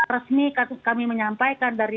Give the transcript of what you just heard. resmi kami menyampaikan